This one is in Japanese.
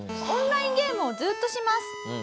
オンラインゲームをずっとします。